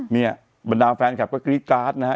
เนี่ยบรรดาแฟนคลับก็กรี๊ดการ์ดนะฮะ